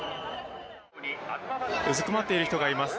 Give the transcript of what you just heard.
うずくまっている人がいます。